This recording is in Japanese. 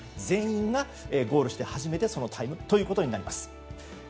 全員がゴールして初めてそのタイムということになります。